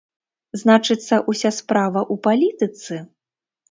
Значыцца, уся справа ў палітыцы?